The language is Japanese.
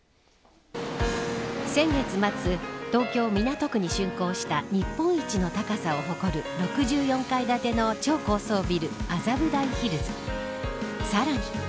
先月末、東京、港区に就航した日本一の高さを誇る６４階建ての超高層ビル麻布台ヒルズ。